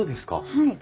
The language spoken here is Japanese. はい。